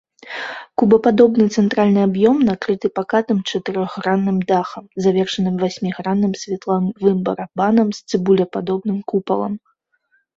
Кубападобны цэнтральны аб'ём накрыты пакатым чатырохгранным дахам, завершаным васьмігранным светлавым барабанам з цыбулепадобным купалам.